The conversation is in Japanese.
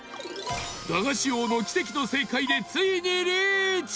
駄菓子王の奇跡の正解でついにリーチ！